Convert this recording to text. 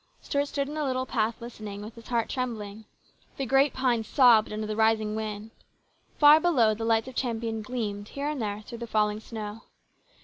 Stuart stood in the little path listening, with his heart trembling. The great pines sobbed under the rising wind. Far below the lights of Champion gleamed here and there through the falling snow.